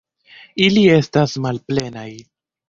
Ili estas malplenaj.